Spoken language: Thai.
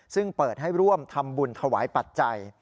ซึ่งเปิดให้ร่วมทำบุญถวายปัจจัย